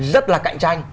rất là cạnh tranh